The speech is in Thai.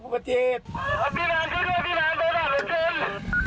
พี่น้านช่วยด้วยพี่น้านช่วยด้วยช่วยด้วย